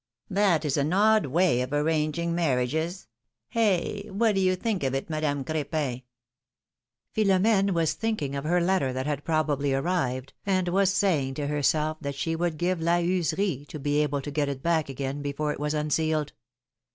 That is an odd way of arranging marriages! Hey! what do you think of it, Madame Cr^pin ? Pliilom^ne was thinking of her letter that had probably arrived, and was saying to herself that she would give La Heuserie to be able to get it back again before it was un sealed.